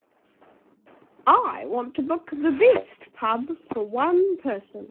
I want to book the best pub for one person.